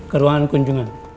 ke ruangan kunjungan